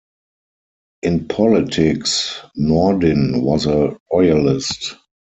In politics Nordin was a royalist.